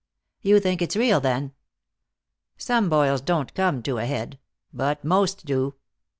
"You think it's real, then?" "Some boils don't come to a head. But most do."